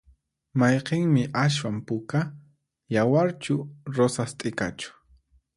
Mayqinmi aswan puka? yawarchu rosas t'ikachu?